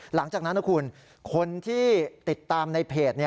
หลังจากนั้นนะคุณคนที่ติดตามในเพจ